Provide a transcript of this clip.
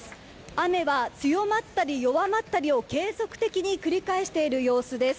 雨は強まったり弱まったりを継続的に繰り返している様子です。